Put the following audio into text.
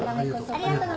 ありがとう。